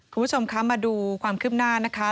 คุณผู้ชมคะมาดูความคืบหน้านะคะ